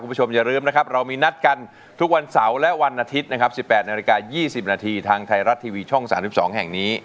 คุณผู้ชมอย่าลืมนะครับเรามีนัดกันทุกวันเสาร์และวันอาทิตย์นะครับ๑๘นาฬิกา๒๐นาทีทางไทยรัฐทีวีช่อง๓๒แห่งนี้